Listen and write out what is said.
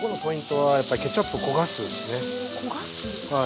はい。